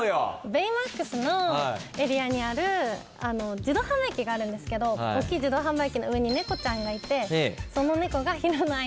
ベイマックスのエリアにある自動販売機があるんですけどおっきい自動販売機の上に猫ちゃんがいてその猫が。